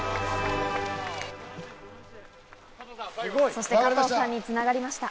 そして加藤さんに繋がりました。